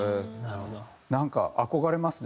なんか憧れますね。